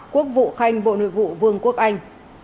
quốc vụ khanh bộ nội vụ vương quốc anh